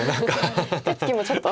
手つきもちょっと。